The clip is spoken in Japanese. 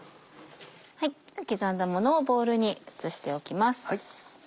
刻んだものをボウルに移しておきます。